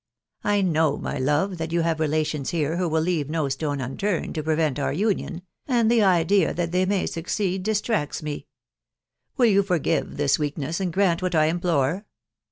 I know, my love, that you have relations here who will leave ifo stone unturned' to prevent our union, .... and the idea tfcax ^^^vj wasoeeA districts me !... JVill you forgave this weakness, and grant what } implore